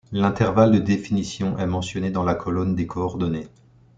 L'intervalle de définition est mentionné dans la colonne des coordonnées.